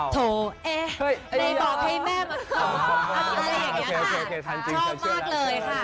ชอบมากเลยค่ะ